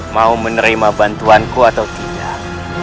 mau menerima bantuanku atau tidak